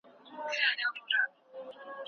بامیکان درې درې دی پرښه پرښه